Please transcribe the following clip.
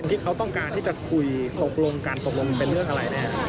ที่เขาต้องการที่จะคุยตกลงกันตกลงเป็นเรื่องอะไรนะครับ